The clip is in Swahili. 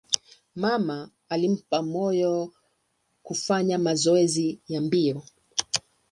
Mama alimpa moyo kufanya mazoezi ya mbio.